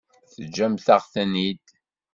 Teǧǧamt-aɣ-ten-id?